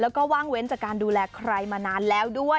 แล้วก็ว่างเว้นจากการดูแลใครมานานแล้วด้วย